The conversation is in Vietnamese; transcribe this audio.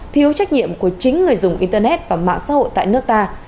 thiếu trách nhiệm của chính người dùng internet và mạng xã hội tại nước ta